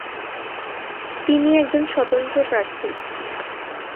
তিনি একজন স্বতন্ত্র প্রার্থী।